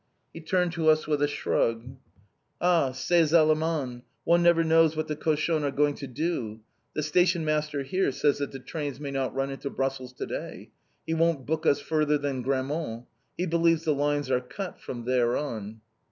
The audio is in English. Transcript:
He turned to us with a shrug. "Ah! Ces allemands! One never knows what the cochons are going to do! The stationmaster here says that the trains may not run into Brussels to day. He won't book us further than Grammont! He believes the lines are cut from there on!"